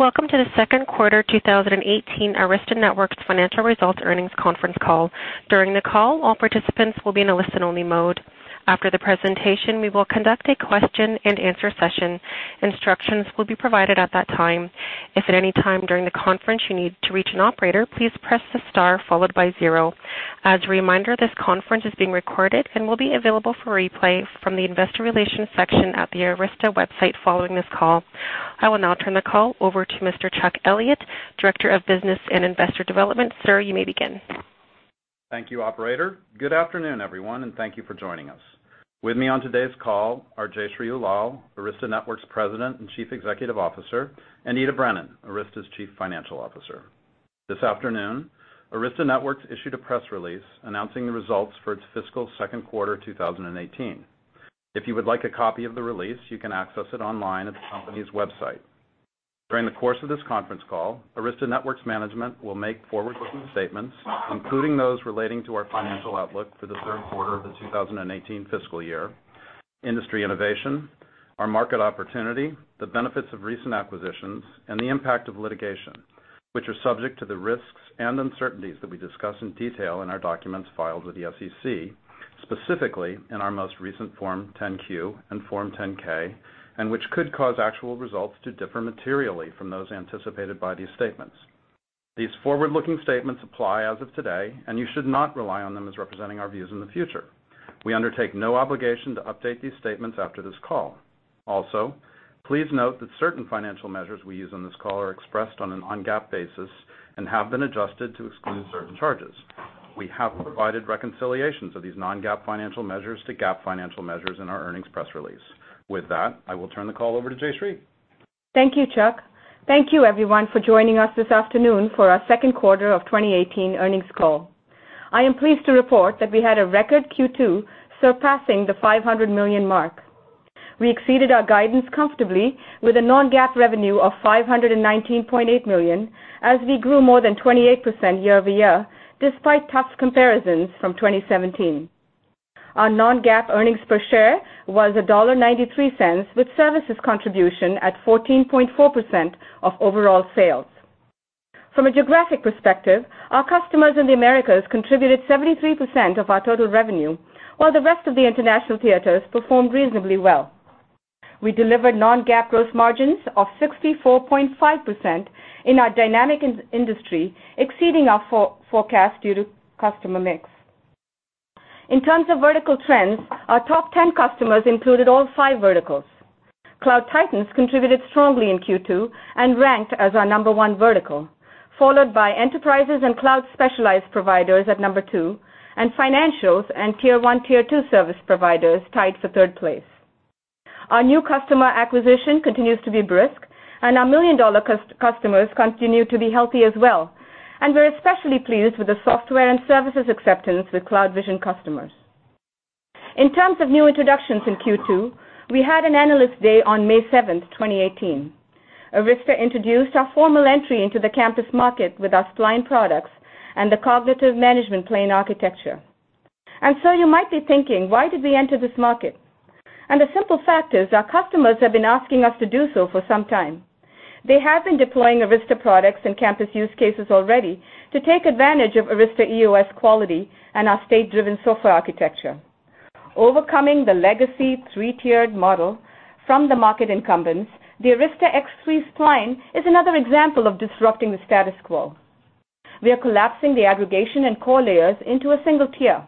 Welcome to the second quarter 2018 Arista Networks financial results earnings conference call. During the call, all participants will be in a listen-only mode. After the presentation, we will conduct a question and answer session. Instructions will be provided at that time. If at any time during the conference you need to reach an operator, please press the star followed by zero. As a reminder, this conference is being recorded and will be available for replay from the investor relations section at the Arista website following this call. I will now turn the call over to Mr. Chuck Elliott, Director of Business and Investor Development. Sir, you may begin. Thank you, operator. Good afternoon, everyone, and thank you for joining us. With me on today's call are Jayshree Ullal, Arista Networks President and Chief Executive Officer, and Ita Brennan, Arista's Chief Financial Officer. This afternoon, Arista Networks issued a press release announcing the results for its fiscal second quarter 2018. If you would like a copy of the release, you can access it online at the company's website. During the course of this conference call, Arista Networks management will make forward-looking statements, including those relating to our financial outlook for the third quarter of the 2018 fiscal year, industry innovation, our market opportunity, the benefits of recent acquisitions, and the impact of litigation, which are subject to the risks and uncertainties that we discuss in detail in our documents filed with the SEC, specifically in our most recent Form 10-Q and Form 10-K, and which could cause actual results to differ materially from those anticipated by these statements. These forward-looking statements apply as of today, and you should not rely on them as representing our views in the future. We undertake no obligation to update these statements after this call. Also, please note that certain financial measures we use on this call are expressed on a non-GAAP basis and have been adjusted to exclude certain charges. We have provided reconciliations of these non-GAAP financial measures to GAAP financial measures in our earnings press release. With that, I will turn the call over to Jayshree. Thank you, Chuck. Thank you, everyone, for joining us this afternoon for our second quarter of 2018 earnings call. I am pleased to report that we had a record Q2, surpassing the $500 million mark. We exceeded our guidance comfortably with a non-GAAP revenue of $519.8 million as we grew more than 28% year-over-year, despite tough comparisons from 2017. Our non-GAAP earnings per share was $1.93, with services contribution at 14.4% of overall sales. From a geographic perspective, our customers in the Americas contributed 73% of our total revenue, while the rest of the international theaters performed reasonably well. We delivered non-GAAP gross margins of 64.5% in our dynamic industry, exceeding our forecast due to customer mix. In terms of vertical trends, our top 10 customers included all five verticals. Cloud titans contributed strongly in Q2 and ranked as our number 1 vertical, followed by enterprises and cloud specialized providers at number 2, and financials and tier 1, tier 2 service providers tied for third place. Our new customer acquisition continues to be brisk, and our million-dollar customers continue to be healthy as well. We're especially pleased with the software and services acceptance with CloudVision customers. In terms of new introductions in Q2, we had an Analyst Day on May 7th, 2018. Arista introduced our formal entry into the campus market with our Spline products and the cognitive management plane architecture. You might be thinking, why did we enter this market? The simple fact is our customers have been asking us to do so for some time. They have been deploying Arista products and campus use cases already to take advantage of Arista EOS quality and our state-driven SOFA architecture. Overcoming the legacy three-tiered model from the market incumbents, the Arista x3 Spline is another example of disrupting the status quo. We are collapsing the aggregation and core layers into a single tier.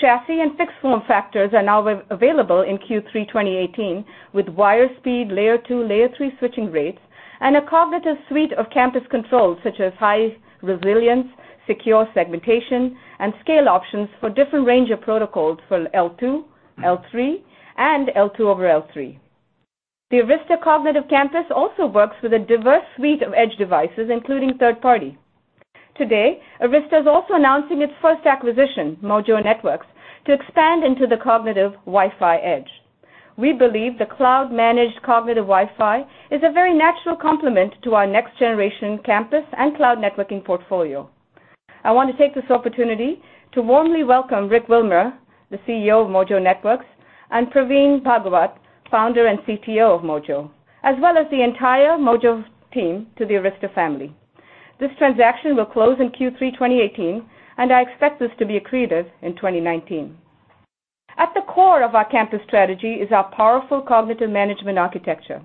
Chassis and fixed form factors are now available in Q3 2018 with wire speed layer 2, layer 3 switching rates and a cognitive suite of campus controls such as high resilience, secure segmentation, and scale options for different range of protocols for L2, L3, and L2 over L3. The Arista Cognitive Campus also works with a diverse suite of edge devices, including third-party. Today, Arista is also announcing its first acquisition, Mojo Networks, to expand into the cognitive Wi-Fi edge. We believe the cloud-managed cognitive Wi-Fi is a very natural complement to our next-generation campus and cloud networking portfolio. I want to take this opportunity to warmly welcome Rick Wilmer, the CEO of Mojo Networks, and Pravin Bhagwat, Founder and CTO of Mojo, as well as the entire Mojo team to the Arista family. This transaction will close in Q3 2018, and I expect this to be accretive in 2019. At the core of our campus strategy is our powerful cognitive management architecture,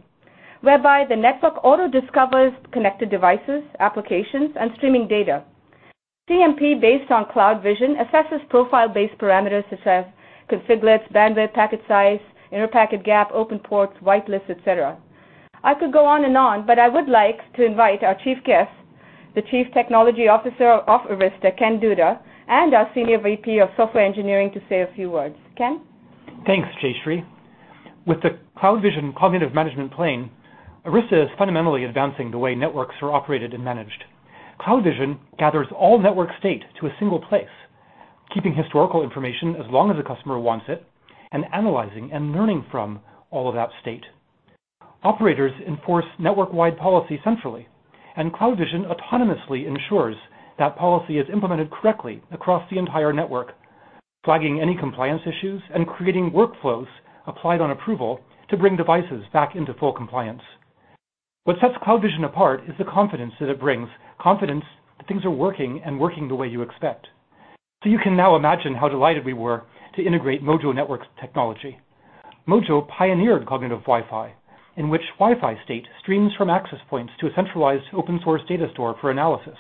whereby the network auto-discovers connected devices, applications, and streaming data. CMP based on CloudVision assesses profile-based parameters such as configlets, bandwidth, packet size, inner packet gap, open ports, white lists, et cetera. I could go on and on, but I would like to invite our Chief Guest, the Chief Technology Officer of Arista, Kenneth Duda, and our Senior VP of Software Engineering to say a few words. Ken? Thanks, Jayshree. With the CloudVision Cognitive Management Plane, Arista is fundamentally advancing the way networks are operated and managed. CloudVision gathers all network state to a single place, keeping historical information as long as the customer wants it, and analyzing and learning from all of that state. Operators enforce network-wide policy centrally, and CloudVision autonomously ensures that policy is implemented correctly across the entire network. Flagging any compliance issues and creating workflows applied on approval to bring devices back into full compliance. What sets CloudVision apart is the confidence that it brings, confidence that things are working and working the way you expect. You can now imagine how delighted we were to integrate Mojo Networks technology. Mojo pioneered cognitive Wi-Fi, in which Wi-Fi state streams from access points to a centralized open source data store for analysis.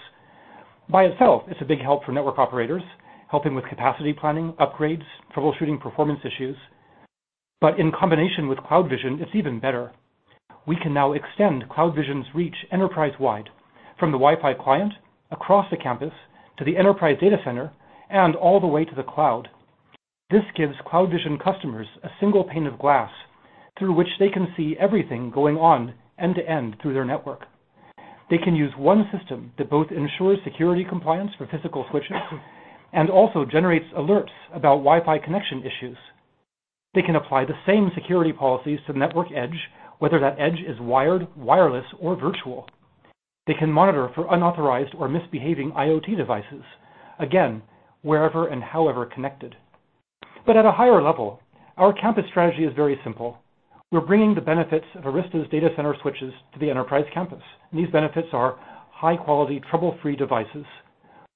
By itself, it's a big help for network operators, helping with capacity planning, upgrades, troubleshooting performance issues. In combination with CloudVision, it's even better. We can now extend CloudVision's reach enterprise-wide from the Wi-Fi client, across the campus, to the enterprise data center, and all the way to the cloud. This gives CloudVision customers a single pane of glass through which they can see everything going on end-to-end through their network. They can use one system that both ensures security compliance for physical switches and also generates alerts about Wi-Fi connection issues. They can apply the same security policies to the network edge, whether that edge is wired, wireless, or virtual. They can monitor for unauthorized or misbehaving IoT devices, again, wherever and however connected. At a higher level, our campus strategy is very simple. We're bringing the benefits of Arista's data center switches to the enterprise campus. These benefits are high-quality, trouble-free devices,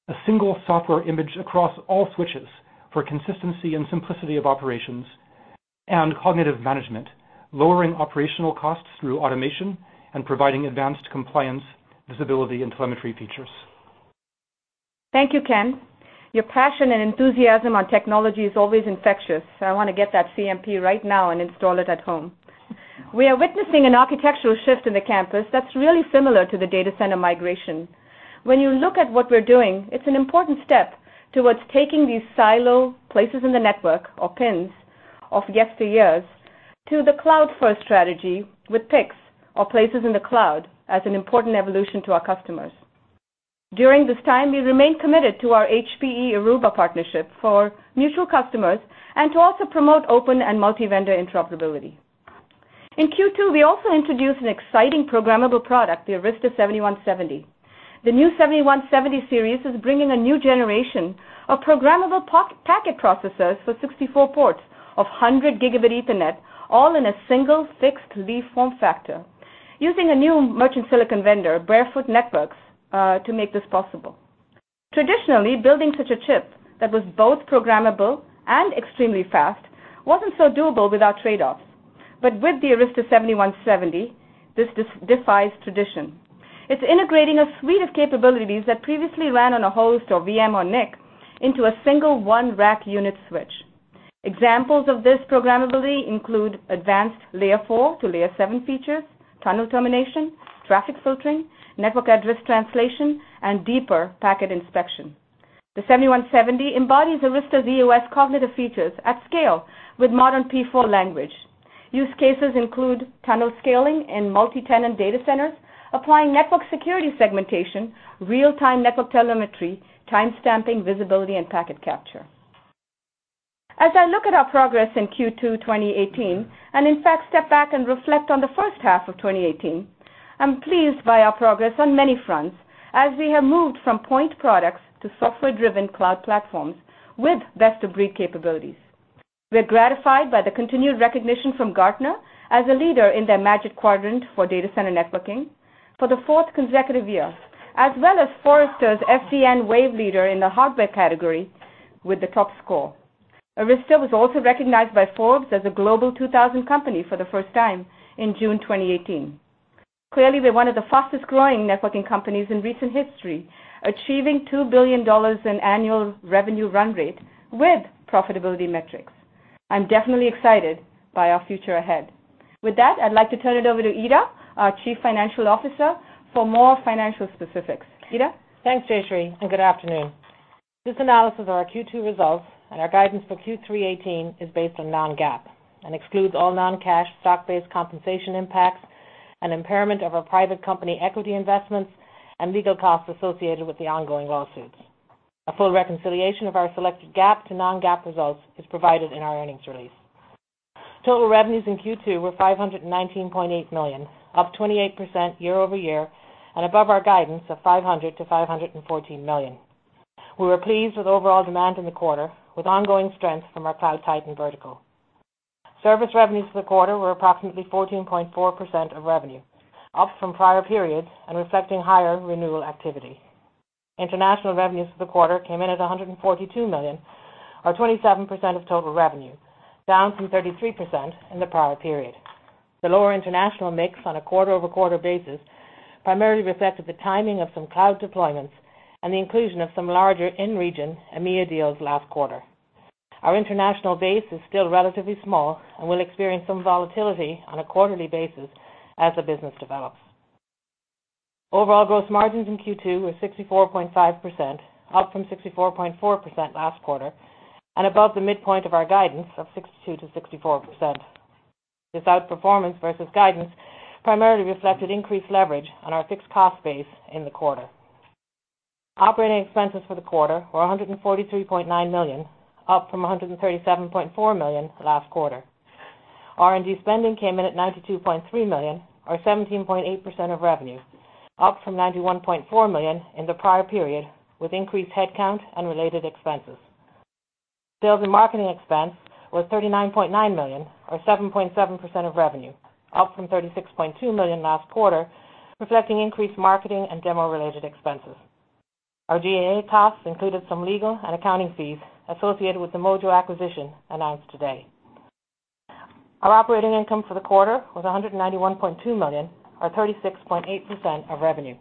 a single software image across all switches for consistency and simplicity of operations, and cognitive management, lowering operational costs through automation and providing advanced compliance, visibility, and telemetry features. Thank you, Ken. Your passion and enthusiasm on technology is always infectious, I want to get that CMP right now and install it at home. We are witnessing an architectural shift in the campus that's really similar to the data center migration. When you look at what we're doing, it's an important step towards taking these silo places in the network, or PINs of yesteryears, to the cloud-first strategy with PICs, or places in the cloud, as an important evolution to our customers. During this time, we remain committed to our HPE Aruba partnership for mutual customers and to also promote open and multi-vendor interoperability. In Q2, we also introduced an exciting programmable product, the Arista 7170. The new 7170 series is bringing a new generation of programmable packet processors for 64 ports of 100 Gigabit Ethernet, all in a single fixed leaf form factor, using a new merchant silicon vendor, Barefoot Networks, to make this possible. Traditionally, building such a chip that was both programmable and extremely fast wasn't so doable without trade-offs. But with the Arista 7170, this defies tradition. It's integrating a suite of capabilities that previously ran on a host or VM or NIC into a single one rack unit switch. Examples of this programmability include advanced Layer 4 to Layer 7 features, tunnel termination, traffic filtering, network address translation, and deeper packet inspection. The 7170 embodies Arista's EOS cognitive features at scale with modern P4 language. Use cases include tunnel scaling and multi-tenant data centers, applying network security segmentation, real-time network telemetry, timestamping visibility, and packet capture. As I look at our progress in Q2 2018, and in fact step back and reflect on the first half of 2018, I'm pleased by our progress on many fronts as we have moved from point products to software-driven cloud platforms with best-of-breed capabilities. We're gratified by the continued recognition from Gartner as a leader in their Magic Quadrant for data center networking for the fourth consecutive year, as well as Forrester's SDN Wave Leader in the hardware category with the top score. Arista was also recognized by Forbes as a Global 2000 company for the first time in June 2018. Clearly, we're one of the fastest-growing networking companies in recent history, achieving $2 billion in annual revenue run rate with profitability metrics. I'm definitely excited by our future ahead. With that, I'd like to turn it over to Ita, our Chief Financial Officer, for more financial specifics. Ita? Thanks, Jayshree, and good afternoon. This analysis of our Q2 results and our guidance for Q3 2018 is based on non-GAAP and excludes all non-cash stock-based compensation impacts and impairment of our private company equity investments and legal costs associated with the ongoing lawsuits. A full reconciliation of our selected GAAP to non-GAAP results is provided in our earnings release. Total revenues in Q2 were $519.8 million, up 28% year-over-year, and above our guidance of $500 million to $514 million. We were pleased with overall demand in the quarter, with ongoing strength from our cloud titan vertical. Service revenues for the quarter were approximately 14.4% of revenue, up from prior periods and reflecting higher renewal activity. International revenues for the quarter came in at $142 million, or 27% of total revenue, down from 33% in the prior period. The lower international mix on a quarter-over-quarter basis primarily reflected the timing of some cloud deployments and the inclusion of some larger in-region EMEA deals last quarter. Our international base is still relatively small and will experience some volatility on a quarterly basis as the business develops. Overall gross margins in Q2 were 64.5%, up from 64.4% last quarter and above the midpoint of our guidance of 62%-64%. This outperformance versus guidance primarily reflected increased leverage on our fixed cost base in the quarter. Operating expenses for the quarter were $143.9 million, up from $137.4 million last quarter. R&D spending came in at $92.3 million or 17.8% of revenue, up from $91.4 million in the prior period with increased headcount and related expenses. Sales and marketing expense was $39.9 million or 7.7% of revenue, up from $36.2 million last quarter, reflecting increased marketing and demo-related expenses. Our G&A costs included some legal and accounting fees associated with the Mojo acquisition announced today. Our operating income for the quarter was $191.2 million or 36.8% of revenue.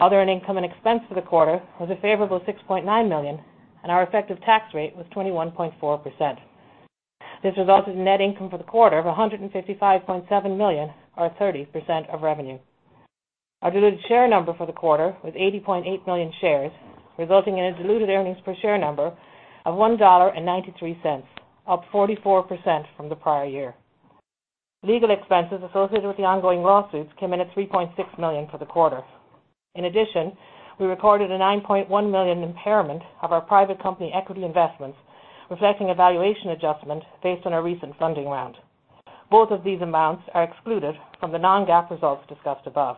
Other income and expense for the quarter was a favorable $6.9 million, and our effective tax rate was 21.4%. This resulted in net income for the quarter of $155.7 million or 30% of revenue. Our diluted share number for the quarter was 80.8 million shares, resulting in a diluted earnings per share number of $1.93, up 44% from the prior year. Legal expenses associated with the ongoing lawsuits came in at $3.6 million for the quarter. In addition, we recorded a $9.1 million impairment of our private company equity investments, reflecting a valuation adjustment based on our recent funding round. Both of these amounts are excluded from the non-GAAP results discussed above.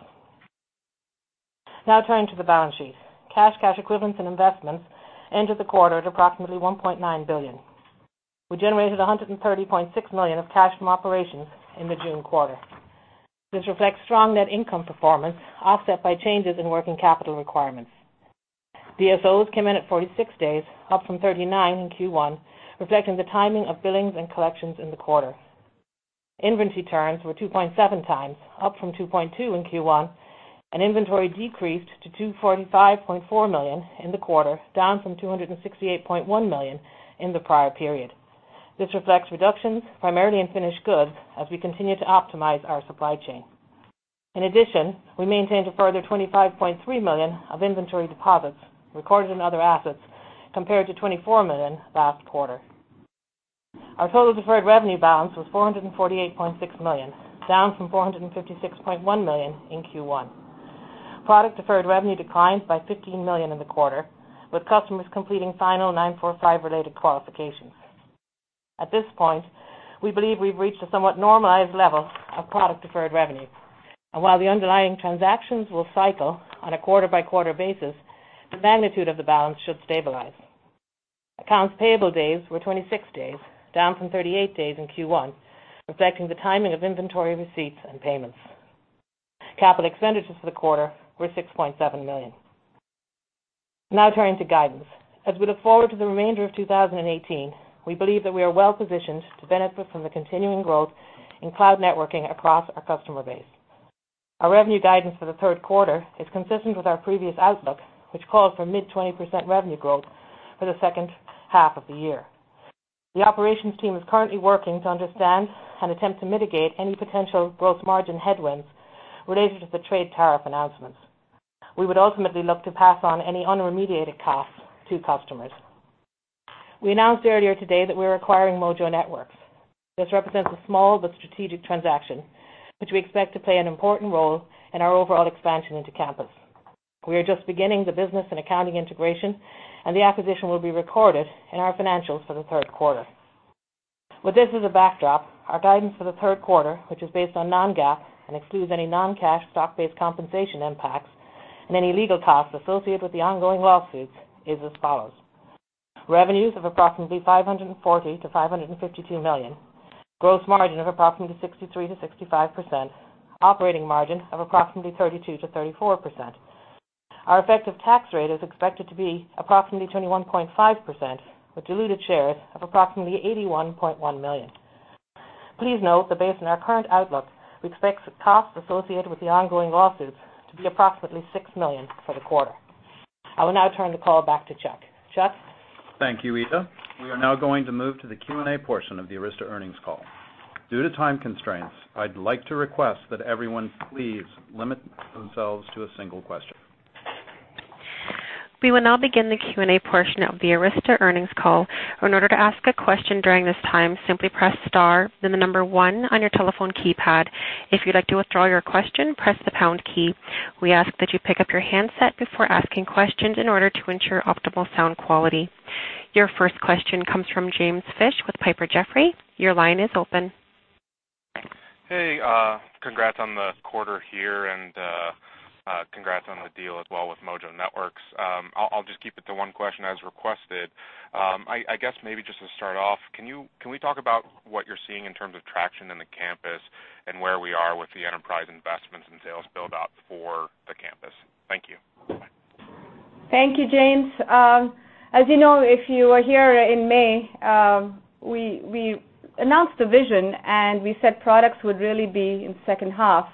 Turning to the balance sheet. Cash, cash equivalents and investments ended the quarter at approximately $1.9 billion. We generated $130.6 million of cash from operations in the June quarter. This reflects strong net income performance offset by changes in working capital requirements. DSOs came in at 46 days, up from 39 in Q1, reflecting the timing of billings and collections in the quarter. Inventory turns were 2.7 times, up from 2.2 in Q1, and inventory decreased to $245.4 million in the quarter, down from $268.1 million in the prior period. This reflects reductions primarily in finished goods as we continue to optimize our supply chain. In addition, we maintained a further $25.3 million of inventory deposits recorded in other assets, compared to $24 million last quarter. Our total deferred revenue balance was $448.6 million, down from $456.1 million in Q1. Product deferred revenue declined by $15 million in the quarter, with customers completing final 945 related qualifications. At this point, we believe we've reached a somewhat normalized level of product deferred revenue. While the underlying transactions will cycle on a quarter-by-quarter basis, the magnitude of the balance should stabilize. Accounts payable days were 26 days, down from 38 days in Q1, reflecting the timing of inventory receipts and payments. Capital expenditures for the quarter were $6.7 million. Turning to guidance. As we look forward to the remainder of 2018, we believe that we are well-positioned to benefit from the continuing growth in cloud networking across our customer base. Our revenue guidance for the third quarter is consistent with our previous outlook, which called for mid-20% revenue growth for the second half of the year. The operations team is currently working to understand and attempt to mitigate any potential gross margin headwinds related to the trade tariff announcements. We would ultimately look to pass on any unremediated costs to customers. We announced earlier today that we're acquiring Mojo Networks. This represents a small but strategic transaction, which we expect to play an important role in our overall expansion into campus. We are just beginning the business and accounting integration, the acquisition will be recorded in our financials for the third quarter. With this as a backdrop, our guidance for the third quarter, which is based on non-GAAP and excludes any non-cash stock-based compensation impacts and any legal costs associated with the ongoing lawsuits, is as follows. Revenues of approximately $540 million-$552 million, gross margin of approximately 63%-65%, operating margin of approximately 32%-34%. Our effective tax rate is expected to be approximately 21.5%, with diluted shares of approximately 81.1 million. Please note that based on our current outlook, we expect costs associated with the ongoing lawsuits to be approximately $6 million for the quarter. I will now turn the call back to Chuck. Chuck? Thank you, Ita. We are now going to move to the Q&A portion of the Arista earnings call. Due to time constraints, I would like to request that everyone please limit themselves to a single question. We will now begin the Q&A portion of the Arista earnings call. In order to ask a question during this time, simply press star then the number 1 on your telephone keypad. If you would like to withdraw your question, press the pound key. We ask that you pick up your handset before asking questions in order to ensure optimal sound quality. Your first question comes from James Fish with Piper Jaffray. Your line is open. Thank you, James. As you know, if you were here in May, we announced the vision and we said products would really be in the second half.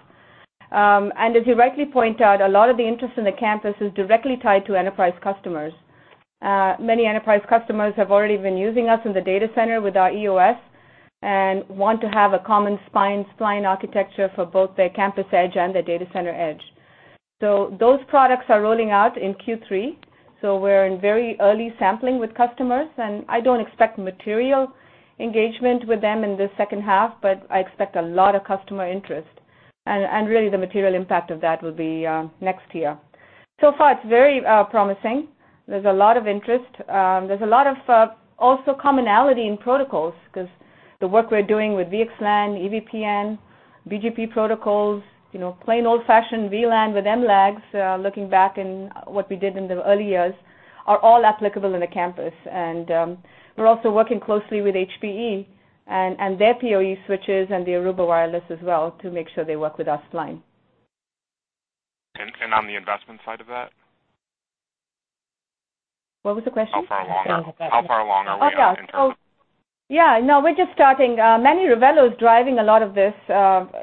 As you rightly point out, a lot of the interest in the campus is directly tied to enterprise customers. Many enterprise customers have already been using us in the data center with our EOS and want to have a common Spline architecture for both their campus edge and their data center edge. So those products are rolling out in Q3, so we are in very early sampling with customers and I do not expect material engagement with them in this second half, but I expect a lot of customer interest. Really the material impact of that will be next year. Far, it's very promising. There's a lot of interest. There's a lot of also commonality in protocols, because the work we're doing with VXLAN, EVPN, BGP protocols, plain old-fashioned VLAN with MLAGs, looking back in what we did in the early years, are all applicable in a campus. We're also working closely with HPE and their POE switches and the Aruba wireless as well to make sure they work with our Spline. On the investment side of that? What was the question? How far along are we in terms of- Yeah, no, we're just starting. Manny Rivelo is driving a lot of this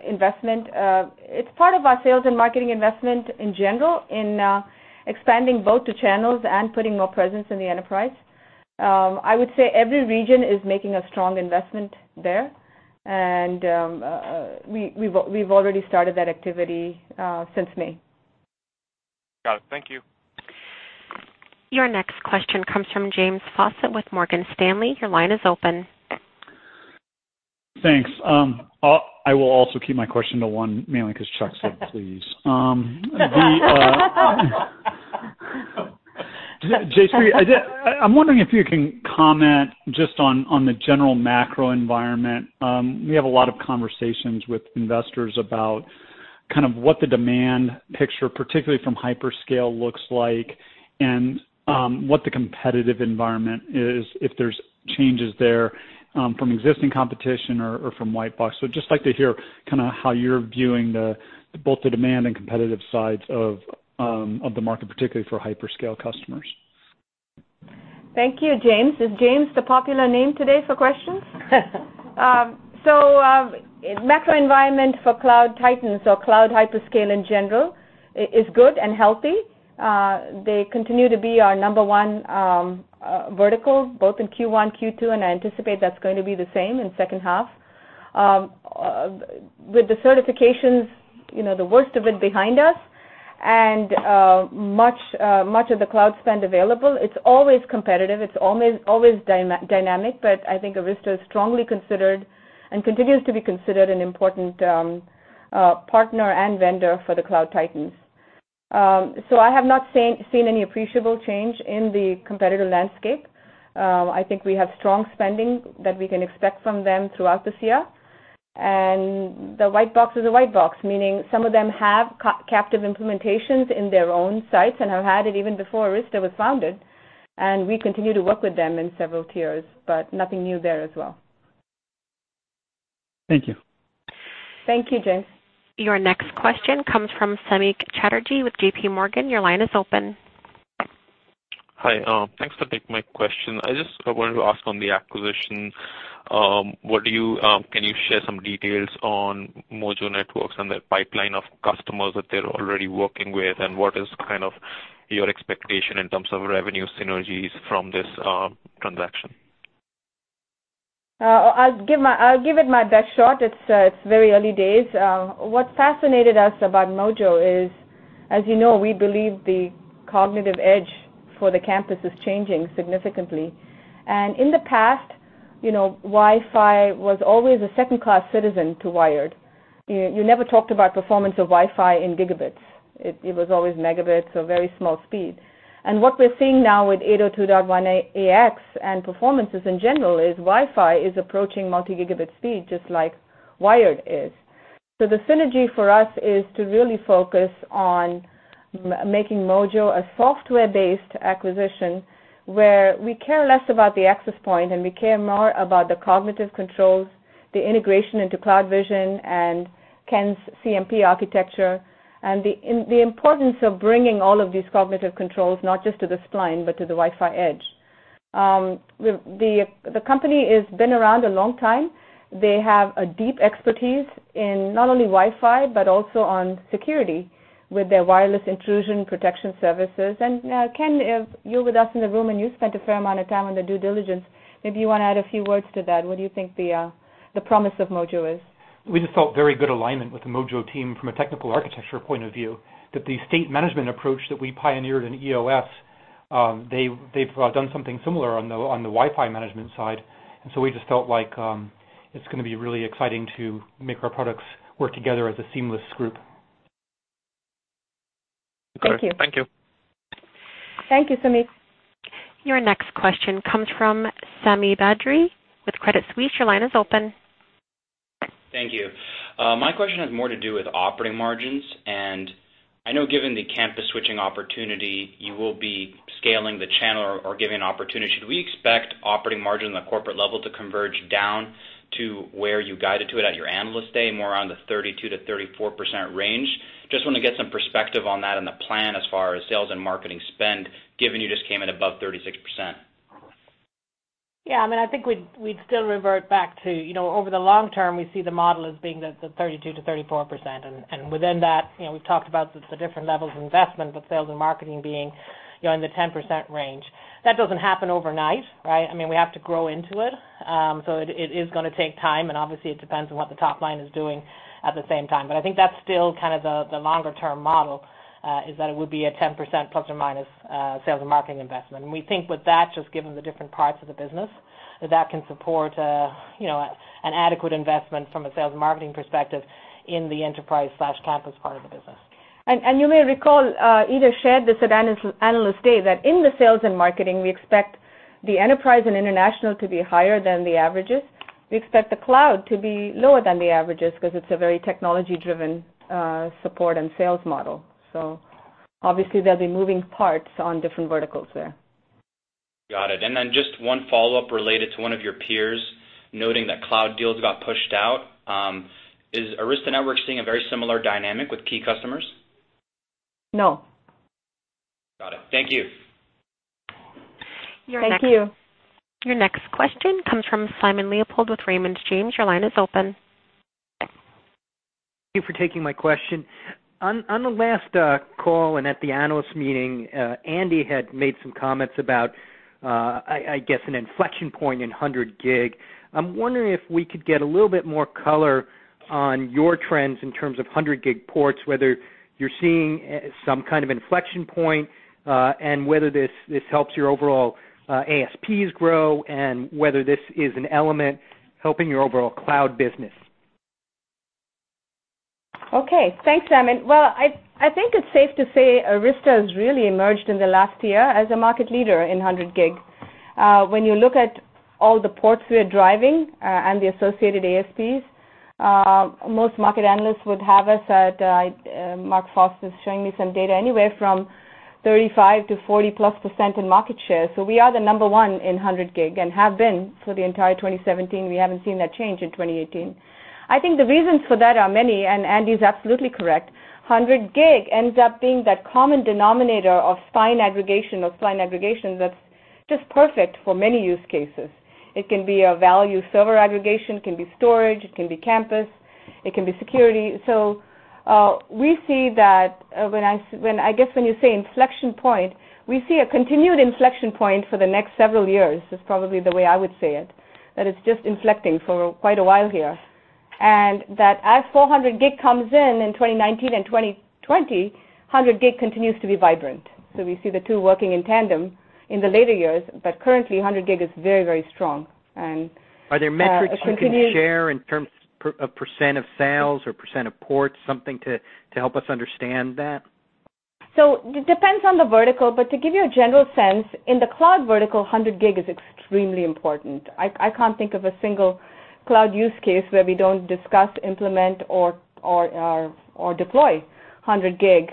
investment. It's part of our sales and marketing investment in general in expanding both the channels and putting more presence in the enterprise. I would say every region is making a strong investment there. We've already started that activity since May. Got it. Thank you. Your next question comes from James Faucette with Morgan Stanley. Your line is open. Thanks. I will also keep my question to one, mainly because Chuck said, please. Jayshree, I'm wondering if you can comment just on the general macro environment. We have a lot of conversations with investors about kind of what the demand picture, particularly from hyperscale, looks like and what the competitive environment is, if there's changes there from existing competition or from white box. Just like to hear how you're viewing both the demand and competitive sides of the market, particularly for hyperscale customers. Thank you, James. Is James the popular name today for questions? Macro environment for cloud titans or cloud hyperscale in general is good and healthy. They continue to be our number one vertical, both in Q1, Q2, and I anticipate that's going to be the same in second half. With the certifications, the worst of it behind us and much of the cloud spend available, it's always competitive, it's always dynamic, but I think Arista is strongly considered, and continues to be considered, an important partner and vendor for the cloud titans. I have not seen any appreciable change in the competitive landscape. I think we have strong spending that we can expect from them throughout this year. The white box is a white box, meaning some of them have captive implementations in their own sites and have had it even before Arista was founded, we continue to work with them in several tiers, nothing new there as well. Thank you. Thank you, James. Your next question comes from Samik Chatterjee with JP Morgan. Your line is open. Hi, thanks for taking my question. I just wanted to ask on the acquisitions, can you share some details on Mojo Networks and the pipeline of customers that they're already working with, and what is kind of your expectation in terms of revenue synergies from this transaction? I'll give it my best shot. It's very early days. What fascinated us about Mojo is, as you know, we believe the cognitive edge for the campus is changing significantly. In the past, Wi-Fi was always a second-class citizen to wired. You never talked about performance of Wi-Fi in gigabits. It was always megabits, so very small speed. What we're seeing now with 802.11ax and performances in general is Wi-Fi is approaching multi-gigabit speed just like wired is. The synergy for us is to really focus on making Mojo a software-based acquisition where we care less about the access point and we care more about the cognitive controls, the integration into CloudVision and Ken's CMP architecture, and the importance of bringing all of these cognitive controls, not just to the Spline, but to the Wi-Fi edge. The company has been around a long time. They have a deep expertise in not only Wi-Fi, but also on security with their wireless intrusion protection services. Ken, you're with us in the room, and you spent a fair amount of time on the due diligence. Maybe you want to add a few words to that. What do you think the promise of Mojo is? We just felt very good alignment with the Mojo team from a technical architecture point of view, that the state management approach that we pioneered in EOS, they've done something similar on the Wi-Fi management side. We just felt like it's going to be really exciting to make our products work together as a seamless group. Thank you. Thank you, Samik. Your next question comes from Sami Badri with Credit Suisse. Your line is open. Thank you. My question has more to do with operating margins. I know given the campus switching opportunity, you will be scaling the channel or giving opportunity. Should we expect operating margin on the corporate level to converge down to where you guided to it at your Analyst Day, more on the 32%-34% range? Just want to get some perspective on that and the plan as far as sales and marketing spend, given you just came in above 36%. Yeah, I think we'd still revert back to, over the long term, we see the model as being the 32%-34%. Within that, we've talked about the different levels of investment, with sales and marketing being in the 10% range. That doesn't happen overnight, right? We have to grow into it. It is going to take time, and obviously it depends on what the top line is doing at the same time. I think that's still kind of the longer-term model, is that it would be a 10% plus or minus sales and marketing investment. We think with that, just given the different parts of the business, that that can support an adequate investment from a sales and marketing perspective in the enterprise/campus part of the business. You may recall, Ita shared this at Analyst Day, that in the sales and marketing, we expect the enterprise and international to be higher than the averages. We expect the cloud to be lower than the averages because it's a very technology-driven support and sales model. Obviously, there'll be moving parts on different verticals there. Got it. Just one follow-up related to one of your peers noting that cloud deals got pushed out. Is Arista Networks seeing a very similar dynamic with key customers? No. Got it. Thank you. Thank you. Your next question comes from Simon Leopold with Raymond James. Your line is open. Thank you for taking my question. On the last call and at the analyst meeting, Andy had made some comments about, I guess, an inflection point in 100 Gig. I'm wondering if we could get a little bit more color on your trends in terms of 100 Gig ports, whether you're seeing some kind of inflection point, and whether this helps your overall ASPs grow and whether this is an element helping your overall cloud business. Thanks, Simon. I think it's safe to say Arista has really emerged in the last year as a market leader in 100 Gig. When you look at all the ports we are driving, and the associated ASPs, most market analysts would have us at, Mark Foss is showing me some data, anywhere from 35% to 40%+ in market share. We are the number one in 100 Gig and have been for the entire 2017. We haven't seen that change in 2018. I think the reasons for that are many, Andy's absolutely correct. 100 Gig ends up being that common denominator of spine aggregation that's just perfect for many use cases. It can be a value server aggregation, it can be storage, it can be campus, it can be security. We see that when I guess when you say inflection point, we see a continued inflection point for the next several years, is probably the way I would say it, that it's just inflecting for quite a while here. As 400 Gig comes in in 2019 and 2020, 100 Gig continues to be vibrant. We see the two working in tandem in the later years, currently, 100 Gig is very, very strong. Are there metrics you can share in terms of % of sales or % of ports, something to help us understand that? It depends on the vertical, to give you a general sense, in the cloud vertical, 100 Gig is extremely important. I can't think of a single cloud use case where we don't discuss, implement or deploy 100 Gig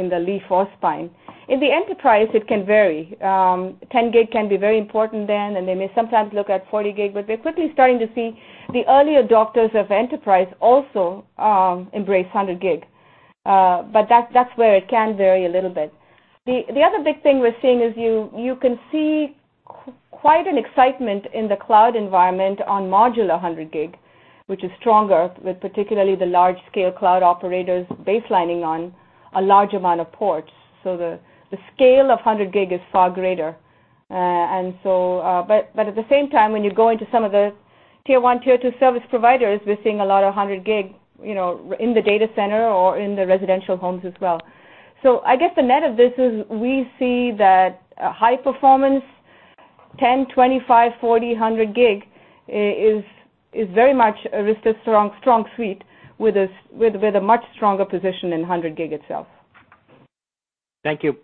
in the leaf or spine. In the enterprise, it can vary. 10 Gig can be very important then, they may sometimes look at 40 Gig, we're quickly starting to see the early adopters of enterprise also embrace 100 Gig. That's where it can vary a little bit. The other big thing we're seeing is you can see quite an excitement in the cloud environment on modular 100 Gig, which is stronger with particularly the large-scale cloud operators baselining on a large amount of ports. The scale of 100 Gig is far greater. At the same time, when you go into some of the tier 1, tier 2 service providers, we're seeing a lot of 100 Gig in the data center or in the residential homes as well. I guess the net of this is we see that high performance, 10, 25, 40, 100 Gig is very much Arista's strong suite with a much stronger position in 100 Gig itself. Thank you.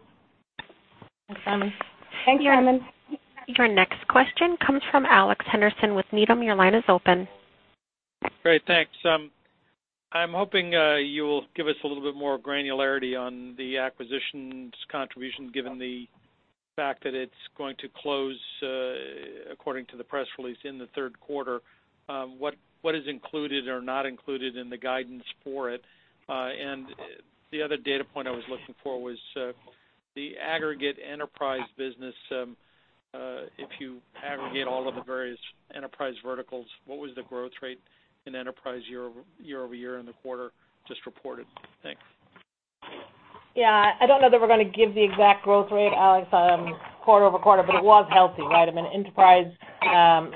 Thanks, Simon. Your next question comes from Alex Henderson with Needham. Your line is open. Great. Thanks. I'm hoping you will give us a little bit more granularity on the acquisition's contribution, given the fact that it's going to close, according to the press release, in the third quarter. What is included or not included in the guidance for it? The other data point I was looking for was the aggregate enterprise business. If you aggregate all of the various enterprise verticals, what was the growth rate in enterprise year-over-year in the quarter just reported? Thanks. Yeah. I don't know that we're going to give the exact growth rate, Alex, quarter-over-quarter, but it was healthy, right? I mean, enterprise are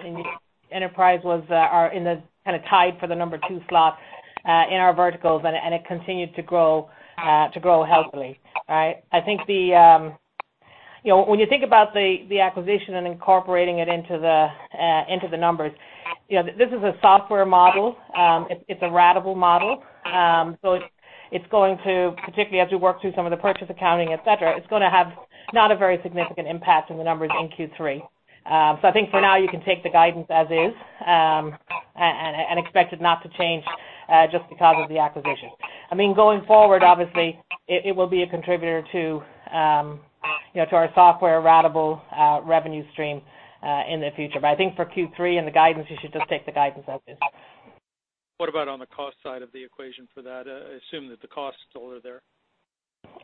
in a tie for the number 2 slot in our verticals, and it continued to grow healthily. When you think about the acquisition and incorporating it into the numbers, this is a software model. It's a ratable model. It's going to, particularly as we work through some of the purchase accounting, et cetera, it's going to have not a very significant impact in the numbers in Q3. I think for now, you can take the guidance as is, and expect it not to change just because of the acquisition. I mean, going forward, obviously, it will be a contributor to our software ratable revenue stream in the future. I think for Q3 and the guidance, you should just take the guidance as is. What about on the cost side of the equation for that? I assume that the costs are there.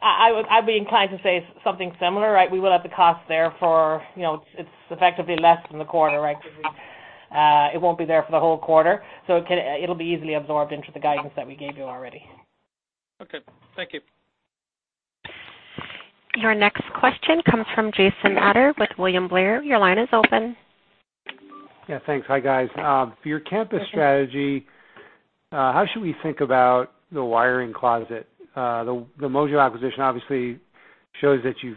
I'd be inclined to say something similar, right? We will have the cost there for It's effectively less than the quarter. It won't be there for the whole quarter, so it'll be easily absorbed into the guidance that we gave you already. Okay. Thank you. Your next question comes from Jason Ader with William Blair. Your line is open. Yeah, thanks. Hi, guys. For your campus strategy, how should we think about the wiring closet? The Mojo acquisition obviously shows that you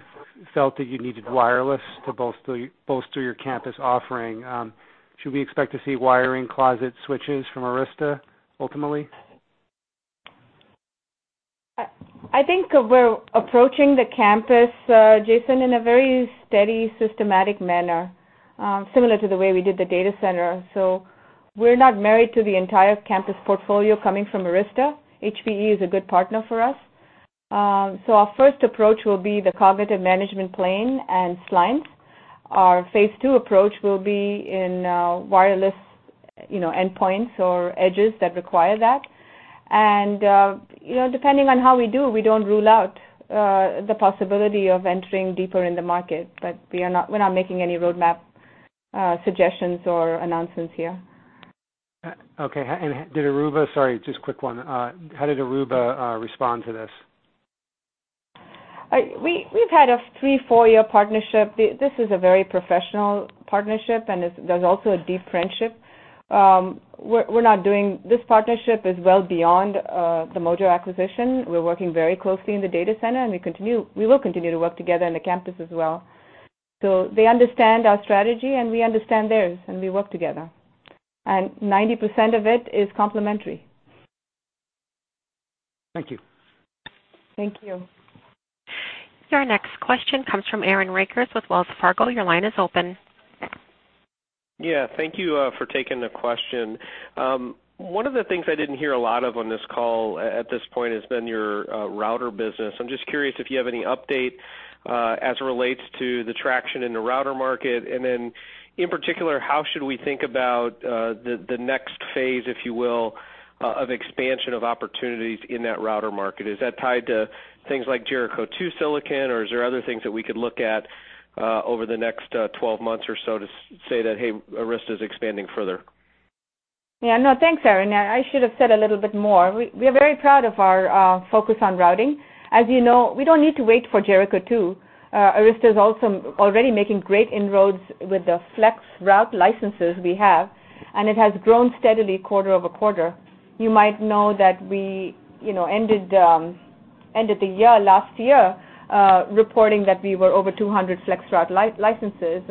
felt that you needed wireless to bolster your campus offering. Should we expect to see wiring closet switches from Arista ultimately? I think we're approaching the campus, Jason, in a very steady, systematic manner, similar to the way we did the data center. We're not married to the entire campus portfolio coming from Arista. HPE is a good partner for us. Our first approach will be the cognitive management plane and Spline. Our phase 2 approach will be in wireless endpoints or edges that require that. Depending on how we do, we don't rule out the possibility of entering deeper in the market, but we're not making any roadmap suggestions or announcements here. Okay. Sorry, just a quick one. How did Aruba respond to this? We've had a three, four-year partnership. This is a very professional partnership, and there's also a deep friendship. This partnership is well beyond the Mojo acquisition. We're working very closely in the data center, and we will continue to work together in the campus as well. They understand our strategy, and we understand theirs, and we work together, and 90% of it is complementary. Thank you. Thank you. Your next question comes from Aaron Rakers with Wells Fargo. Your line is open. Yeah. Thank you for taking the question. One of the things I didn't hear a lot of on this call at this point has been your router business. I'm just curious if you have any update, as it relates to the traction in the router market. Then in particular, how should we think about the next phase, if you will, of expansion of opportunities in that router market? Is that tied to things like Jericho2 silicon, or is there other things that we could look at over the next 12 months or so to say that, "Hey, Arista's expanding further"? Yeah. No, thanks, Aaron. I should've said a little bit more. We are very proud of our focus on routing. As you know, we don't need to wait for Jericho2. Arista is also already making great inroads with the FlexRoute licenses we have, and it has grown steadily quarter-over-quarter. You might know that we ended the year last year, reporting that we were over 200 FlexRoute licenses.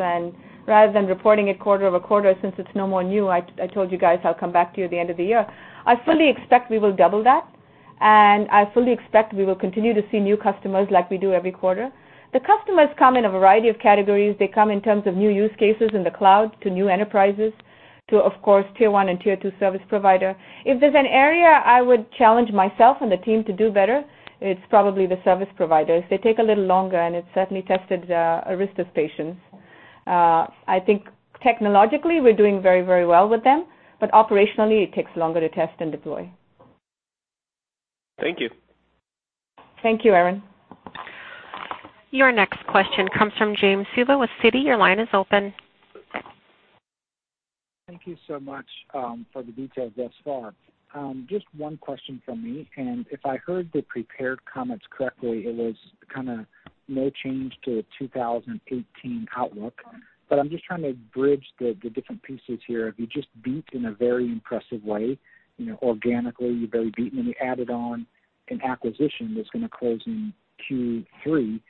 Rather than reporting it quarter-over-quarter, since it's no more new, I told you guys I'll come back to you at the end of the year. I fully expect we will double that, and I fully expect we will continue to see new customers like we do every quarter. The customers come in a variety of categories. They come in terms of new use cases in the cloud to new enterprises to, of course, tier 1 and tier 2 service provider. If there's an area I would challenge myself and the team to do better, it's probably the service providers. They take a little longer, and it certainly tested Arista's patience. I think technologically, we're doing very well with them, but operationally, it takes longer to test and deploy. Thank you. Thank you, Aaron. Your next question comes from James Suva with Citi. Your line is open. Thank you so much for the details thus far. Just one question from me. If I heard the prepared comments correctly, it was no change to 2018 outlook. I'm just trying to bridge the different pieces here. If you just beat in a very impressive way, organically you barely beat. You added on an acquisition that's going to close in Q3,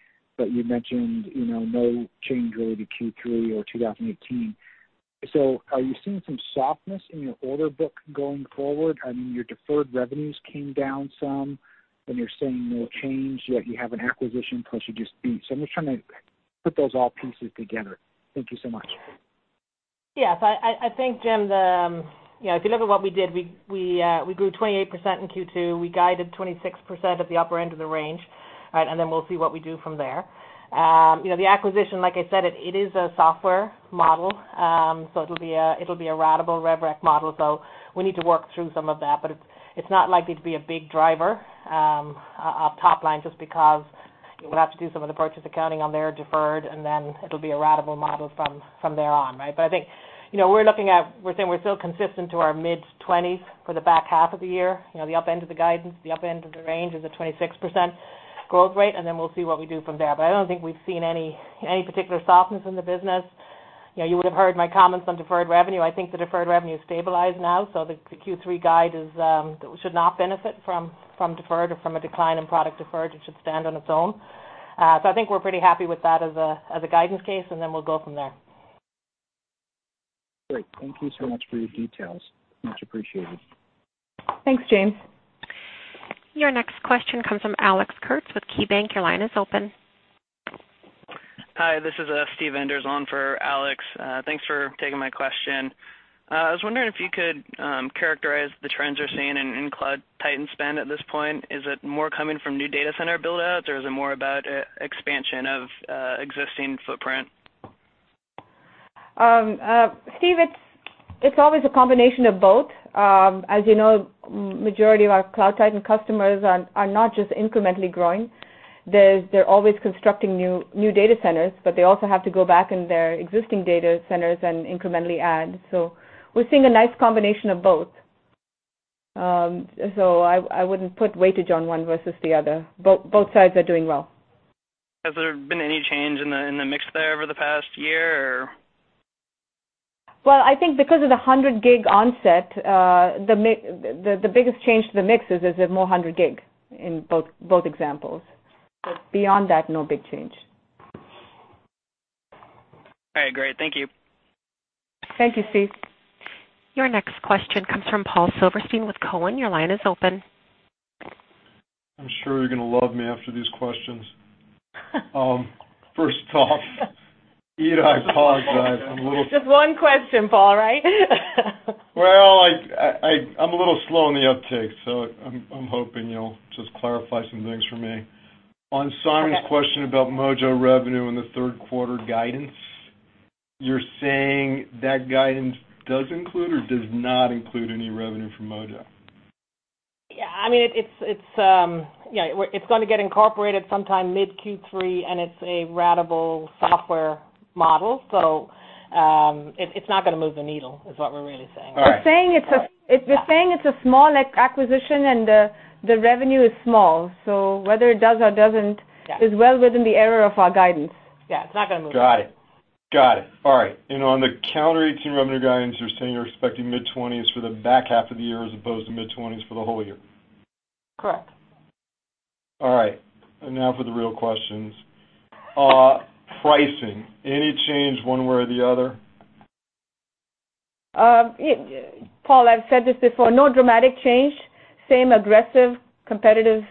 you mentioned no change really to Q3 or 2018. Are you seeing some softness in your order book going forward? Your deferred revenues came down some, you're saying no change, yet you have an acquisition plus you just beat. I'm just trying to put those all pieces together. Thank you so much. Yes. I think, Jim, if you look at what we did, we grew 28% in Q2. We guided 26% at the upper end of the range. All right, we'll see what we do from there. The acquisition, like I said, it is a software model. It'll be a ratable Revenue Recognition model. We need to work through some of that, it's not likely to be a big driver of top line just because we'll have to do some of the purchase accounting on their deferred, it'll be a ratable model from there on, right? I think we're saying we're still consistent to our mid-20s for the back half of the year. The up end of the guidance, the up end of the range is a 26% growth rate, we'll see what we do from there. I don't think we've seen any particular softness in the business. You would have heard my comments on deferred revenue. I think the deferred revenue is stabilized now, the Q3 guide should not benefit from deferred or from a decline in product deferred. It should stand on its own. I think we're pretty happy with that as a guidance case, we'll go from there. Great. Thank you so much for your details. Much appreciated. Thanks, James. Your next question comes from Alex Kurtz with KeyBank. Your line is open. Hi, this is Steven Enders on for Alex. Thanks for taking my question. I was wondering if you could characterize the trends you're seeing in cloud titan spend at this point. Is it more coming from new data center build-outs, or is it more about expansion of existing footprint? Steve, it's always a combination of both. As you know, majority of our cloud titan customers are not just incrementally growing. They're always constructing new data centers, but they also have to go back in their existing data centers and incrementally add. We're seeing a nice combination of both. I wouldn't put weightage on one versus the other. Both sides are doing well. Has there been any change in the mix there over the past year, or? Well, I think because of the 100G onset, the biggest change to the mix is there's more 100G in both examples. Beyond that, no big change. All right, great. Thank you. Thank you, Steve. Your next question comes from Paul Silverstein with Cowen. Your line is open. I'm sure you're going to love me after these questions. First off, Ita, I apologize. Just one question, Paul, right? Well, I'm a little slow on the uptake, so I'm hoping you'll just clarify some things for me. Okay. On Samik's question about Mojo revenue in the third quarter guidance, you're saying that guidance does include or does not include any revenue from Mojo? Yeah. It's going to get incorporated sometime mid Q3, and it's a ratable software model. It's not going to move the needle, is what we're really saying. All right. We're saying it's a- Yeah We're saying it's a small acquisition and the revenue is small. Whether it does or doesn't- Yeah Is well within the error of our guidance. Yeah. It's not going to move. Got it. All right. On the calendar 2018 revenue guidance, you're saying you're expecting mid-20s for the back half of the year as opposed to mid-20s for the whole year? Correct. All right. Now for the real questions. Pricing, any change one way or the other? Paul, I've said this before, no dramatic change. Same aggressive, competitive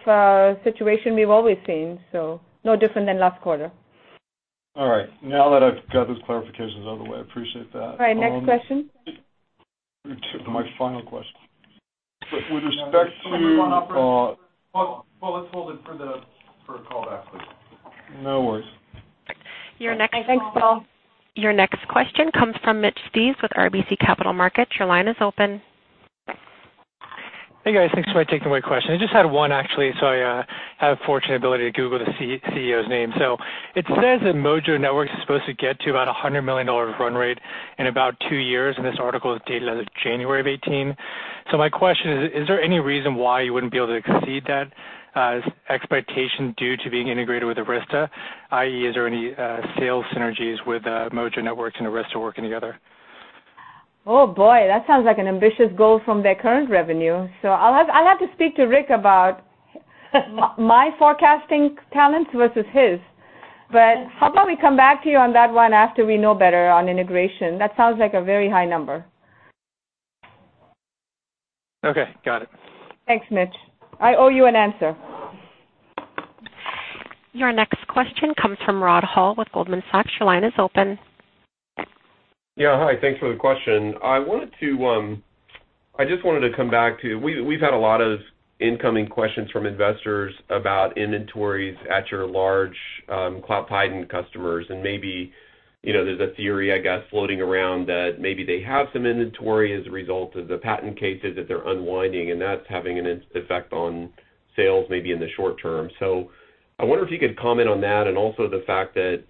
situation we've always seen. No different than last quarter. All right. Now that I've got those clarifications out of the way, I appreciate that. All right, next question. My final question. Well, let's hold it for a call back please. No worries. Thanks, Paul. Your next question comes from Mitch Steves with RBC Capital Markets. Your line is open. Hey, guys. Thanks for taking my question. I just had one actually. I had the fortunate ability to Google the CEO's name. It says that Mojo Networks is supposed to get to about $100 million run rate in about two years, and this article is dated as of January of 2018. My question is there any reason why you wouldn't be able to exceed that expectation due to being integrated with Arista, i.e., is there any sales synergies with Mojo Networks and Arista working together? Oh, boy. That sounds like an ambitious goal from their current revenue. I'll have to speak to Rick about my forecasting talents versus his. How about we come back to you on that one after we know better on integration? That sounds like a very high number. Okay, got it. Thanks, Mitch. I owe you an answer. Your next question comes from Rod Hall with Goldman Sachs. Your line is open. Yeah, hi. Thanks for the question. I just wanted to come back to, we've had a lot of incoming questions from investors about inventories at your large cloud titan customers and maybe there's a theory, I guess, floating around that maybe they have some inventory as a result of the patent cases that they're unwinding, and that's having an effect on sales, maybe in the short term. I wonder if you could comment on that and also the fact that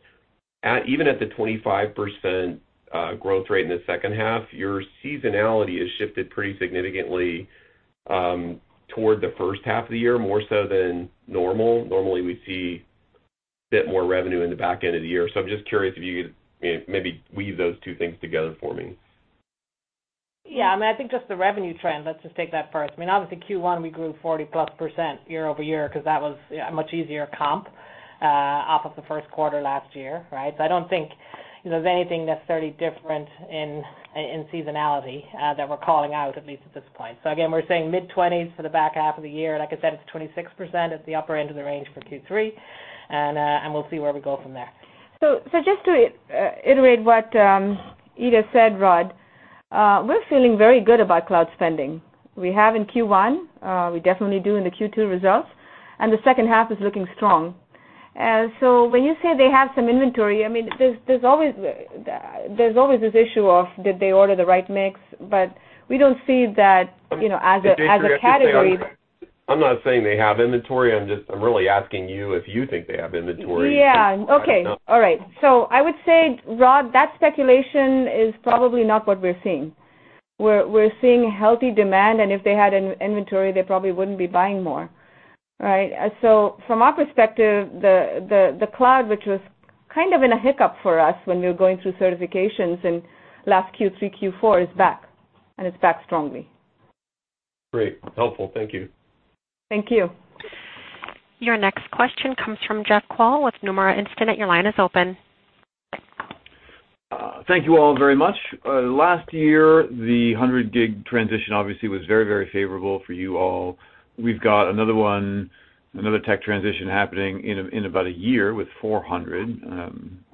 even at the 25% growth rate in the second half, your seasonality has shifted pretty significantly toward the first half of the year, more so than normal. Normally, we see a bit more revenue in the back end of the year. I'm just curious if you could maybe weave those two things together for me. Yeah. I think just the revenue trend, let's just take that first. Obviously, Q1 we grew 40-plus% year-over-year because that was a much easier comp off of the first quarter last year, right? I don't think there's anything necessarily different in seasonality that we're calling out, at least at this point. Again, we're saying mid-20s for the back half of the year. Like I said, it's 26% at the upper end of the range for Q3, and we'll see where we go from there. Just to iterate what Ita said, Rod, we're feeling very good about cloud spending. We have in Q1, we definitely do in the Q2 results. The second half is looking strong. When you say they have some inventory, there's always this issue of did they order the right mix, we don't see that as a category. I'm not saying they have inventory. I'm really asking you if you think they have inventory. Yeah. Okay. All right. I would say, Rod, that speculation is probably not what we're seeing. We're seeing healthy demand, if they had inventory, they probably wouldn't be buying more, right? From our perspective, the cloud, which was kind of in a hiccup for us when we were going through certifications in last Q3, Q4, is back, it's back strongly. Great. Helpful. Thank you. Thank you. Your next question comes from Jeff Kvaal with Nomura Instinet. Your line is open. Thank you all very much. Last year, the 100G transition obviously was very, very favorable for you all. We've got another one, another tech transition happening in about a year with 400,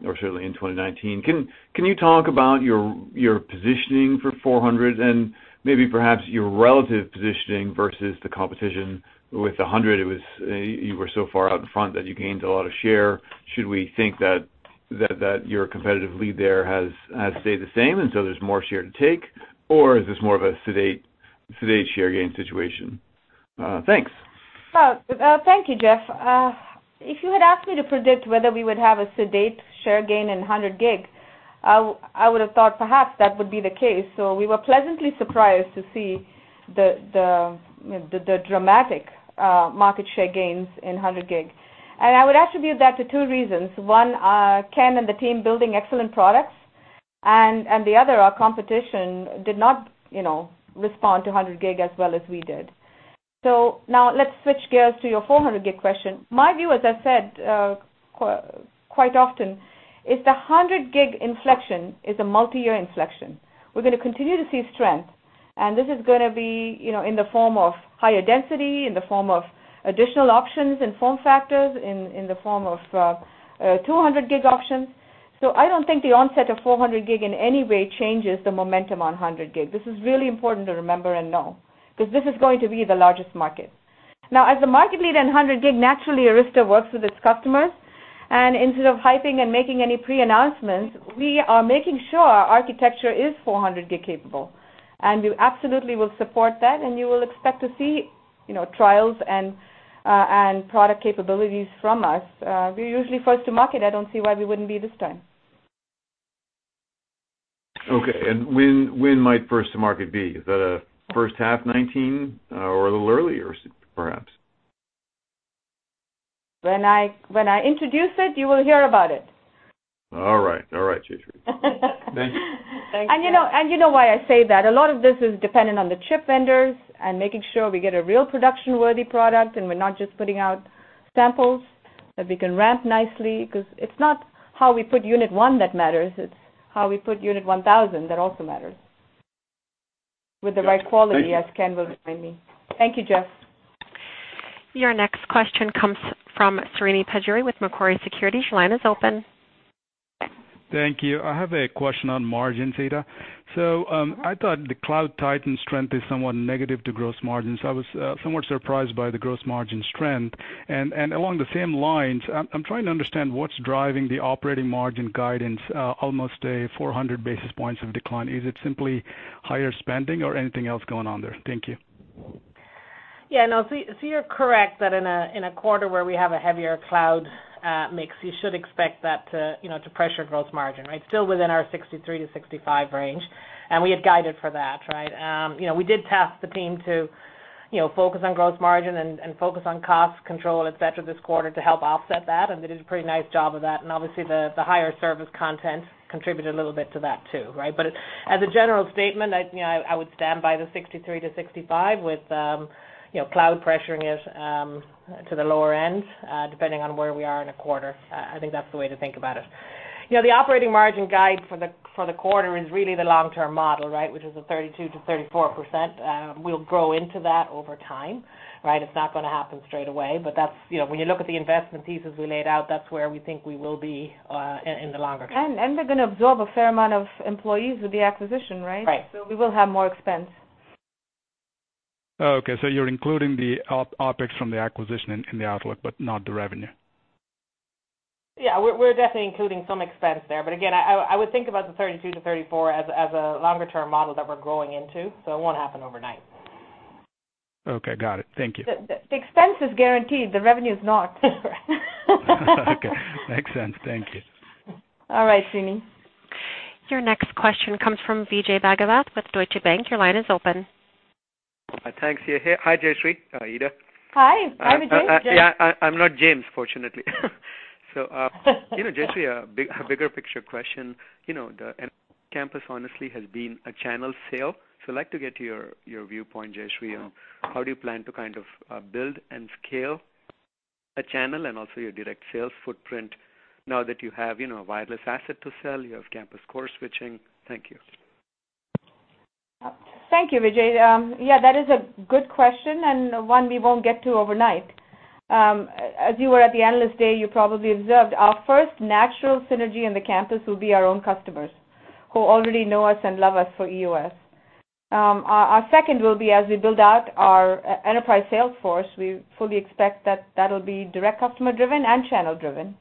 or certainly in 2019. Can you talk about your positioning for 400 and maybe perhaps your relative positioning versus the competition? With 100, you were so far out in front that you gained a lot of share. Should we think that your competitive lead there has stayed the same, and so there's more share to take, or is this more of a sedate share gain situation? Thanks. Thank you, Jeff. If you had asked me to predict whether we would have a sedate share gain in 100 Gig, I would've thought perhaps that would be the case. We were pleasantly surprised to see the dramatic market share gains in 100 Gig. I would attribute that to two reasons. One, Ken and the team building excellent products. And the other, our competition did not respond to 100G as well as we did. Now let's switch gears to your 400G question. My view, as I said quite often, is the 100G inflection is a multi-year inflection. We're going to continue to see strength, and this is going to be in the form of higher density, in the form of additional options and form factors, in the form of 200G options. I don't think the onset of 400G in any way changes the momentum on 100G. This is really important to remember and know, because this is going to be the largest market. As the market leader in 100G, naturally Arista works with its customers, and instead of hyping and making any pre-announcements, we are making sure our architecture is 400G capable. We absolutely will support that, and you will expect to see trials and product capabilities from us. We're usually first to market. I don't see why we wouldn't be this time. Okay. When might first to market be? Is that a first half 2019 or a little earlier perhaps? When I introduce it, you will hear about it. All right. All right, Jayshree. Thank you. You know why I say that. A lot of this is dependent on the chip vendors and making sure we get a real production-worthy product and we're not just putting out samples that we can ramp nicely. Because it's not how we put unit 1 that matters, it's how we put unit 1,000 that also matters with the right quality. Thank you as Ken will remind me. Thank you, Jeff. Your next question comes from Srini Pajjuri with Macquarie Securities. Your line is open. Thank you. I have a question on margin, Ita. I thought the cloud titan strength is somewhat negative to gross margins. I was somewhat surprised by the gross margin strength. Along the same lines, I am trying to understand what is driving the operating margin guidance, almost a 400 basis points of decline. Is it simply higher spending or anything else going on there? Thank you. You are correct that in a quarter where we have a heavier cloud mix, you should expect that to pressure gross margin, right? Still within our 63%-65% range, we had guided for that, right? We did task the team to focus on gross margin and focus on cost control, et cetera this quarter to help offset that, they did a pretty nice job of that. Obviously the higher service content contributed a little bit to that, too, right? As a general statement, I would stand by the 63%-65% with cloud pressuring it to the lower end, depending on where we are in a quarter. I think that's the way to think about it. The operating margin guide for the quarter is really the long-term model, right? Which is a 32%-34%. We will grow into that over time, right? It is not going to happen straight away, when you look at the investment pieces we laid out, that's where we think we will be in the longer term. We are going to absorb a fair amount of employees with the acquisition, right? Right. We will have more expense. You're including the OpEx from the acquisition in the outlook, but not the revenue. We're definitely including some expense there. I would think about the 32 to 34 as a longer-term model that we're growing into, so it won't happen overnight. Got it. Thank you. The expense is guaranteed. The revenue is not. Okay. Makes sense. Thank you. All right, Srini. Your next question comes from Vijay Bhagwat with Deutsche Bank. Your line is open. Thanks. Hi, Jayshree. Ita. Hi. Hi, Vijay. Yeah, I'm not James, fortunately. Jayshree, a bigger picture question. The campus honestly has been a channel sale, so I'd like to get your viewpoint, Jayshree, on how do you plan to kind of build and scale a channel and also your direct sales footprint now that you have a wireless asset to sell, you have campus core switching. Thank you. Thank you, Vijay. Yeah, that is a good question and one we won't get to overnight. As you were at the Analyst Day, you probably observed our first natural synergy in the campus will be our own customers who already know us and love us for EOS. Our second will be as we build out our enterprise sales force, we fully expect that that'll be direct customer driven and channel driven.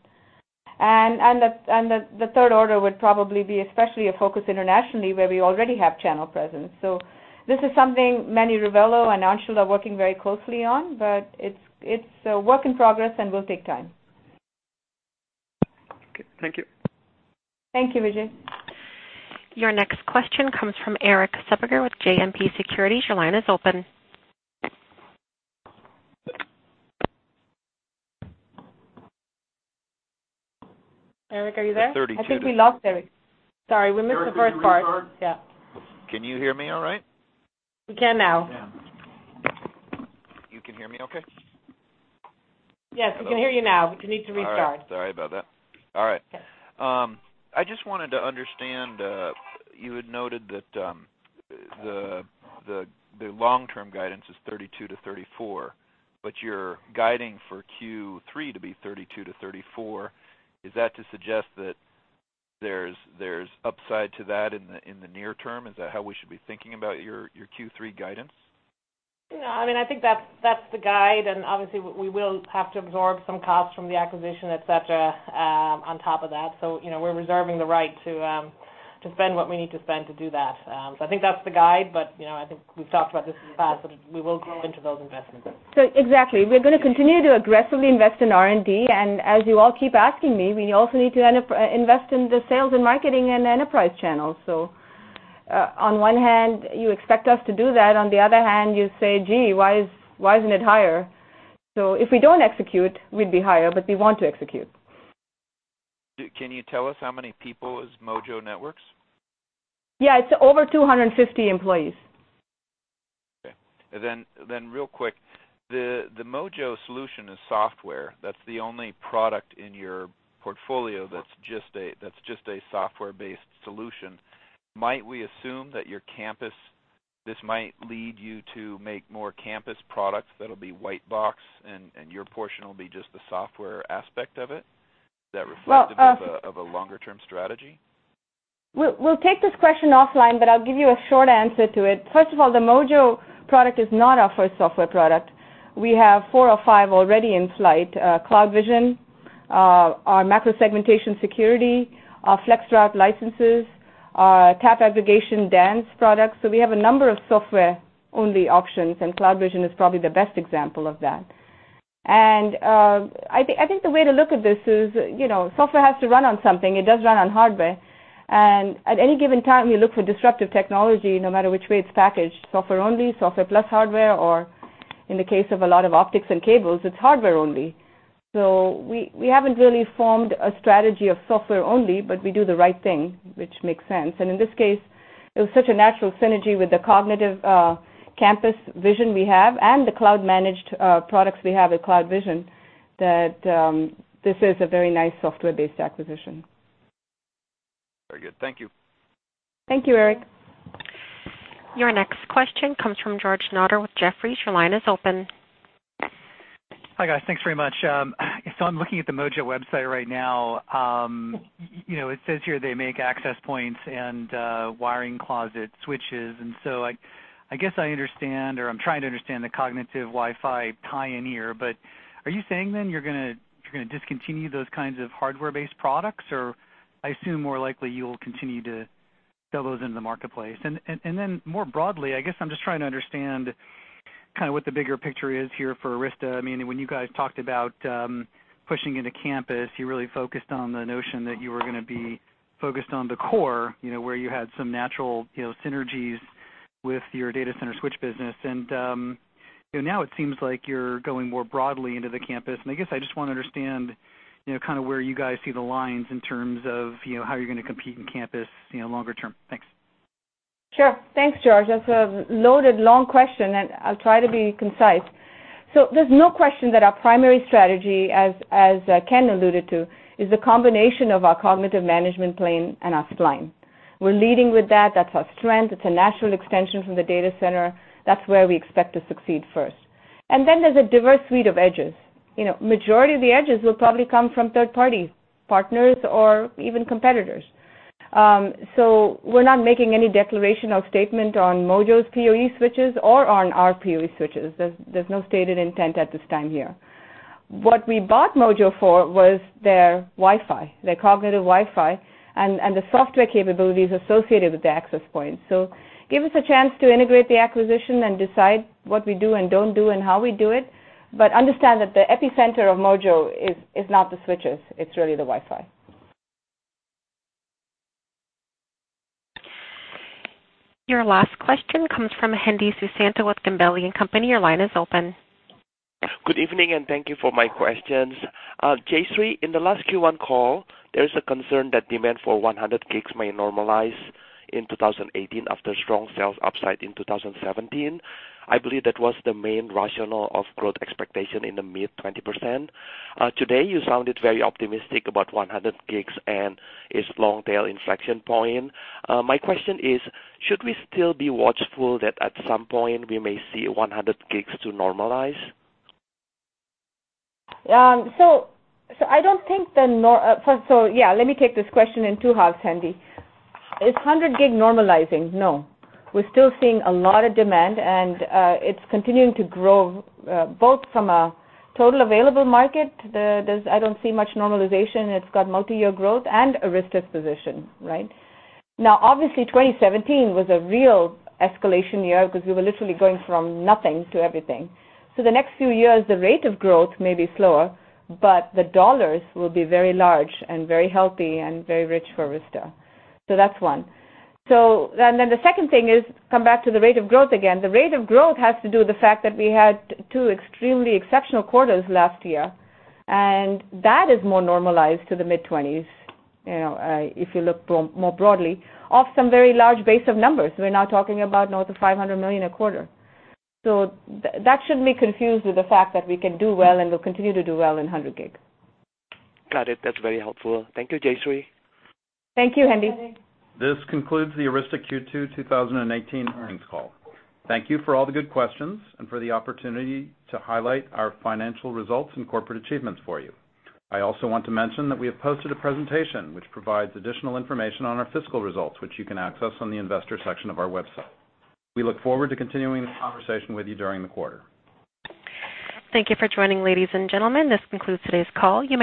The third order would probably be especially a focus internationally where we already have channel presence. This is something Manny Rivelo and Anshul are working very closely on, but it's a work in progress and will take time. Okay. Thank you. Thank you, Vijay. Your next question comes from Erik Suppiger with JMP Securities. Your line is open. Erik, are you there? I think we lost Erik. Sorry, we missed the first part. Erik, can you hear us? Yeah. Can you hear me all right? We can now. Yeah. You can hear me okay? Yes, we can hear you now. You need to restart. All right. Sorry about that. All right. I just wanted to understand, you had noted that the long-term guidance is 32%-34%, you're guiding for Q3 to be 32%-34%. Is that to suggest that there's upside to that in the near term? Is that how we should be thinking about your Q3 guidance? No, I think that's the guide. Obviously we will have to absorb some costs from the acquisition, et cetera, on top of that. We're reserving the right to spend what we need to spend to do that. I think that's the guide. I think we've talked about this in the past, that we will grow into those investments. Exactly, we're going to continue to aggressively invest in R&D, as you all keep asking me, we also need to invest in the sales and marketing and enterprise channels. On one hand, you expect us to do that, on the other hand, you say, "Gee, why isn't it higher?" If we don't execute, we'd be higher, we want to execute. Can you tell us how many people is Mojo Networks? Yeah. It's over 250 employees. Okay. Real quick, the Mojo solution is software. That's the only product in your portfolio that's just a software-based solution. Might we assume that your campus, this might lead you to make more campus products that'll be white box and your portion will be just the software aspect of it? Does that reflect? Well. of a longer-term strategy? We'll take this question offline, but I'll give you a short answer to it. First of all, the Mojo Networks product is not our first software product. We have four or five already in flight, CloudVision, our Macro-Segmentation Service security, our FlexRoute licenses, our TAP aggregation DANZ products. We have a number of software-only options, and CloudVision is probably the best example of that. I think the way to look at this is software has to run on something. It does run on hardware, and at any given time, you look for disruptive technology, no matter which way it's packaged, software only, software plus hardware, or in the case of a lot of optics and cables, it's hardware only. We haven't really formed a strategy of software only, but we do the right thing, which makes sense. In this case, it was such a natural synergy with the cognitive, campus vision we have and the cloud-managed products we have at CloudVision that this is a very nice software-based acquisition. Very good. Thank you. Thank you, Erik. Your next question comes from George Notter with Jefferies. Your line is open. Hi, guys. Thanks very much. I'm looking at the Mojo website right now. It says here they make access points and wiring closet switches. I guess I understand or I'm trying to understand the cognitive Wi-Fi tie-in here, are you saying then you're going to discontinue those kinds of hardware-based products? I assume more likely you will continue to sell those in the marketplace. More broadly, I guess I'm just trying to understand kind of what the bigger picture is here for Arista. When you guys talked about pushing into campus, you really focused on the notion that you were going to be focused on the core, where you had some natural synergies with your data center switch business. Now it seems like you're going more broadly into the campus, I guess I just want to understand where you guys see the lines in terms of how you're going to compete in campus longer term. Thanks. Sure. Thanks, George. That's a loaded, long question, and I'll try to be concise. There's no question that our primary strategy, as Ken alluded to, is the combination of our cognitive management plane and our Spline. We're leading with that. That's our strength. It's a natural extension from the data center. That's where we expect to succeed first. There's a diverse suite of edges. Majority of the edges will probably come from third parties, partners or even competitors. We're not making any declaration of statement on Mojo's POE switches or on our POE switches. There's no stated intent at this time here. What we bought Mojo for was their Wi-Fi, their cognitive Wi-Fi, and the software capabilities associated with the access point. Give us a chance to integrate the acquisition and decide what we do and don't do and how we do it, but understand that the epicenter of Mojo is not the switches, it's really the Wi-Fi. Your last question comes from Hendi Susanto with Gabelli & Company. Your line is open. Good evening, and thank you for my questions. Jayshree, in the last Q1 call, there is a concern that demand for 100 gigs may normalize in 2018 after strong sales upside in 2017. I believe that was the main rationale of growth expectation in the mid 20%. Today, you sounded very optimistic about 100 gigs and its long tail inflection point. My question is, should we still be watchful that at some point we may see 100 gigs to normalize? Yeah, let me take this question in two halves, Hendi. Is 100 gig normalizing? No. We're still seeing a lot of demand, and it's continuing to grow both from a total available market, I don't see much normalization. It's got multi-year growth and Arista's position, right? Now, obviously, 2017 was a real escalation year because we were literally going from nothing to everything. The next few years, the rate of growth may be slower, but the dollars will be very large and very healthy and very rich for Arista. That's one. Then the second thing is, come back to the rate of growth again. The rate of growth has to do with the fact that we had two extremely exceptional quarters last year, and that is more normalized to the mid-twenties, if you look more broadly, off some very large base of numbers. We're now talking about north of $500 million a quarter. That shouldn't be confused with the fact that we can do well, and we'll continue to do well in 100 gig. Got it. That's very helpful. Thank you, Jayshree. Thank you, Hendi. This concludes the Arista Q2 2018 earnings call. Thank you for all the good questions and for the opportunity to highlight our financial results and corporate achievements for you. I also want to mention that we have posted a presentation which provides additional information on our fiscal results, which you can access on the investor section of our website. We look forward to continuing the conversation with you during the quarter. Thank you for joining, ladies and gentlemen. This concludes today's call.